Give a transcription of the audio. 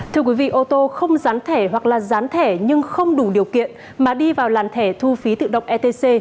thưa quý vị ô tô không dán thẻ hoặc là dán thẻ nhưng không đủ điều kiện mà đi vào làn thẻ thu phí tự động etc